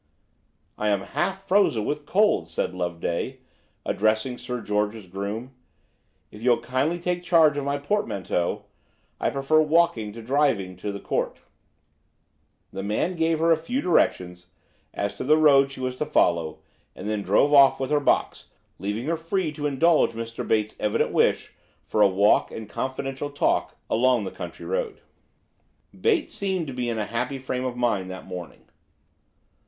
"I am half frozen with cold," said Loveday, addressing Sir George's groom; "if you'll kindly take charge of my portmanteau, I'd prefer walking to driving to the Court." The man gave her a few directions as to the road she was to follow, and then drove off with her box, leaving her free to indulge Mr. Bate's evident wish for a walk and confidential talk along the country road. Bates seemed to be in a happy frame of mind that morning.